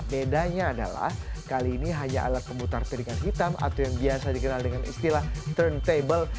bedanya adalah kali ini hanya alat pemutar piringan hitam atau yang biasa dikenal dengan istilah turntable